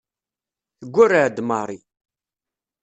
Teggurreɛ-d Mary.